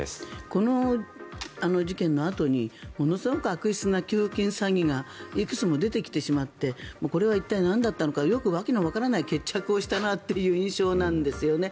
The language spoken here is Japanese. この事件のあとにものすごく悪質な給付金詐欺がいくつも出てきてしまってこれは一体なんだったのかよく訳のわからない決着をしたなという印象なんですね。